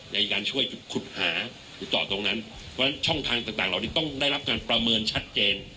ในการช่วยขุดหาหรือเจาะตรงนั้นเพราะฉะนั้นช่องทางต่างเหล่านี้ต้องได้รับการประเมินชัดเจน